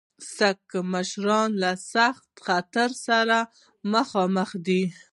سیکه مشران له سخت خطر سره مخامخ دي.